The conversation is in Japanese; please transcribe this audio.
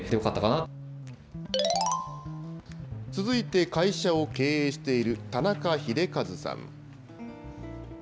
続いて、会社を経営している田中秀和さん。